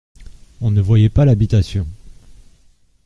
On ne voyait pas l'habitation.